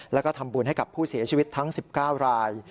แล้วก็ทำบุญให้กับผู้เสียชีวิตทั้ง๑๙ราย